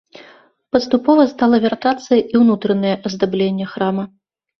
Паступова стала вяртацца і ўнутранае аздабленне храма.